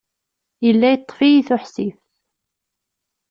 Yella yeṭṭef-iyi tuḥsift.